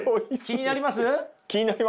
気になります。